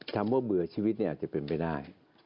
คำว่าเบื่อชีวิตเนี่ยอาจจะเป็นไปได้